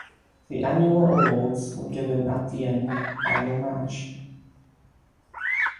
The annual awards were given at the end final match